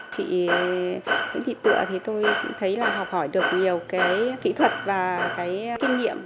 chị thị tựa thì tôi thấy là học hỏi được nhiều cái kỹ thuật và cái kinh nghiệm